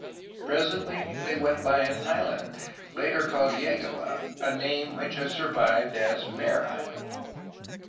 Presently they went by an island later called "Yegua," a name which has survived as ''Mare Island."